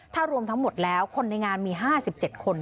ถ้ารวมทั้งหมดแล้วคนในงานมี๕๗คน